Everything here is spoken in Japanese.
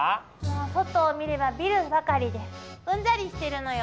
外を見ればビルばかりでうんざりしてるのよ。